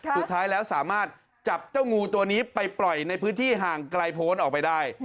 สุดท้ายแล้วสามารถจับเจ้างูตัวนี้ไปปล่อยในพื้นที่ห่างไกลโพนออกไปได้